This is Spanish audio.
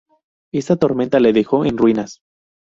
Esa tormenta le dejó en ruinas.